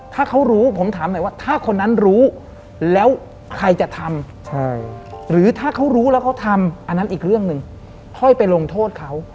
ถ้าเขารู้ผมถามหน่อยว่าถ้าคนนั้นรู้แล้วใครจะทำ